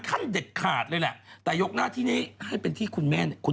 ขั้นเด็ดขาดเลยแหละแต่ยกหน้าที่นี้ให้เป็นที่คุณแม่คุณ